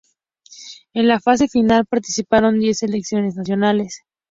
En la fase final participaron diez selecciones nacionales.